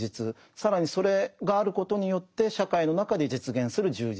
更にそれがあることによって社会の中で実現する充実